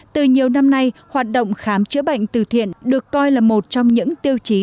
từ nhiều năm nay hoạt động khám chữa bệnh từ thiện được coi là một trong những tiêu chí